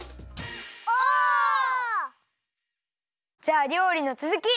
オ！じゃありょうりのつづき！